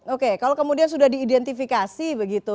oke kalau kemudian sudah diidentifikasi begitu